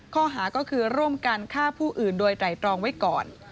ข้อหาก็คือร่วมกันฆ่าผู้อื่นโดยไตรตรองไว้ก่อน